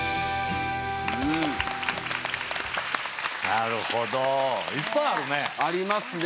なるほどいっぱいあるね。ありますね。